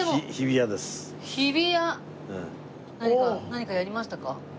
何かやりましたか？